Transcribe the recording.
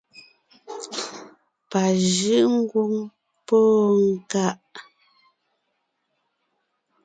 Pà jʉ́’ ńgwóŋ póo ńká.